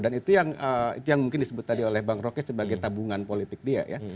dan itu yang mungkin disebut tadi oleh bang roket sebagai tabungan politik dia ya